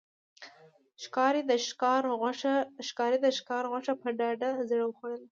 ښکاري د ښکار غوښه په ډاډه زړه وخوړل.